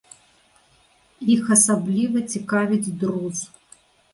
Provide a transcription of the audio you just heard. Іх асабліва цікавіць друз.